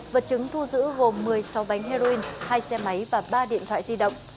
vật chứng thu giữ gồm một mươi sáu bánh heroin hai xe máy và ba điện thoại di động